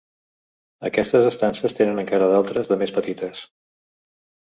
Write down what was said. Aquestes estances tenen encara d'altres de més petites.